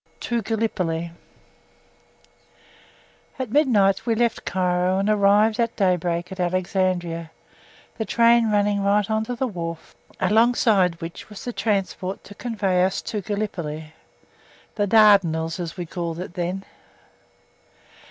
TO GALLIPOLI At midnight we left Cairo and arrived at daybreak at Alexandria, the train running right on to the wharf, alongside which was the transport to convey us to Gallipoli the Dardanelles we called it then.